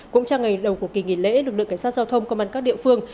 cũng trong ngày đầu của kỳ nghỉ lễ lực lượng cảnh sát giao thông công an các địa phương